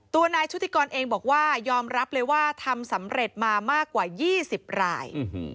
ตัวนายชุติกรเองบอกว่ายอมรับเลยว่าทำสำเร็จมามากกว่า๒๐ราย